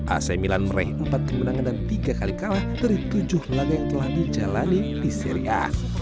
ac milan meraih empat kemenangan dan tiga kali kalah dari tujuh laga yang telah dijalani di seri a